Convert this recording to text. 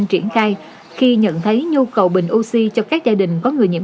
triển khai khi nhận thấy nhu cầu bình oxy cho các gia đình có người nhiễm